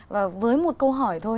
và với một câu hỏi thôi